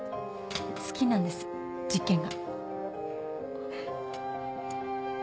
好きなんです実験が。